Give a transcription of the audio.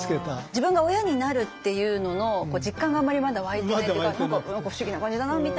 自分が親になるっていうのの実感があまりまだ湧いてないっていうか何か不思議な感じだなみたいな。